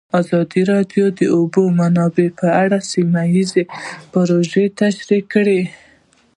ازادي راډیو د د اوبو منابع په اړه سیمه ییزې پروژې تشریح کړې.